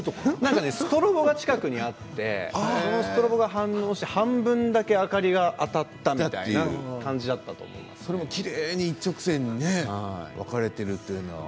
ストロボが近くにあってそのストロボが反応して半分だけ明かりが当たったそれもきれいに一直線に分かれているというのはね。